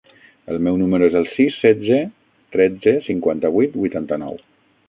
El meu número es el sis, setze, tretze, cinquanta-vuit, vuitanta-nou.